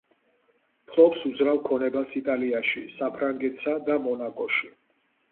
ფლობს უძრავ ქონებას იტალიაში, საფრანგეთსა და მონაკოში.